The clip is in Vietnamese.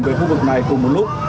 về khu vực này cùng một lúc